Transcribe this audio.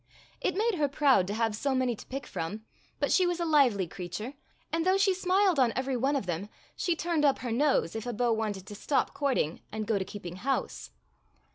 It made her proud to have so many to pick from, but she was a lively creature, and though she smiled on every one of them she turned up her nose if a beau wanted to stop courting and go to keep ing house.